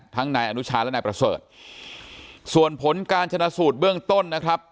นายอนุชาและนายประเสริฐส่วนผลการชนะสูตรเบื้องต้นนะครับ